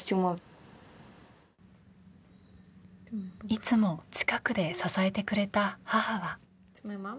いつも近くで支えてくれた母は。